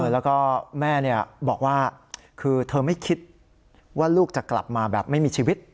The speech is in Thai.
แล้วก็แม่บอกว่าคือเธอไม่คิดว่าลูกจะกลับมาแบบไม่มีชีวิต